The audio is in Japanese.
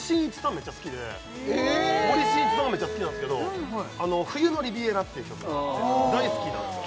めっちゃ好きでええっ森進一さんがめっちゃ好きなんですけど「冬のリヴィエラ」っていう曲があって大好きなんですよ